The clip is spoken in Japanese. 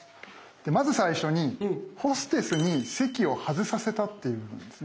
まず最初にホステスに席を外させたっていうんですね。